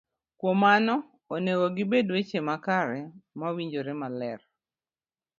Kuom mano, onego gibed weche makare, mawinjore maler,